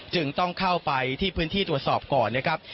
จึงต้องเข้าไปที่พื้นที่ตรวจสอบก่อนนะครับ